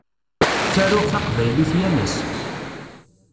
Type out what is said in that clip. Ttaruɣ taqbaylit yal ass.